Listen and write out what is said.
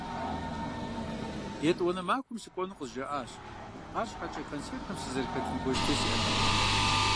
ЕтӀуанэ махуэм сыкӀуэну къызжаӀащ, арщхьэкӀэ концертым сызэрыхэтын бостей сиӀэтэкъым.